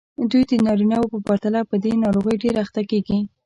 دوی د نارینه وو په پرتله په دې ناروغۍ ډېرې اخته کېږي.